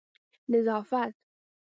نظافت